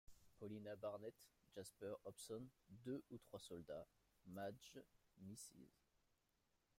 Paulina Barnett, Jasper Hobson, deux ou trois soldats, Madge, Mrs.